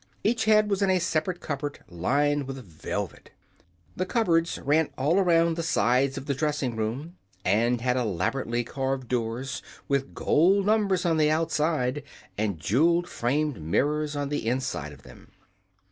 Each head was in a separate cupboard lined with velvet. The cupboards ran all around the sides of the dressing room, and had elaborately carved doors with gold numbers on the outside and jeweled framed mirrors on the inside of them.